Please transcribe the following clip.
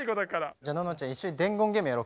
じゃあののちゃん一緒に伝言ゲームやろっか。